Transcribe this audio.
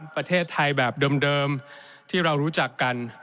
ประเทศไทยแบบเดิมที่เรารู้จักกัน